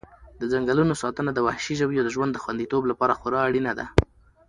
د ځنګلونو ساتنه د وحشي ژویو د ژوند د خوندیتوب لپاره خورا اړینه ده.